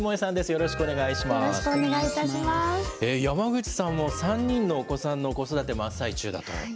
山口さんも３人のお子さんの子育て真っ最中だと。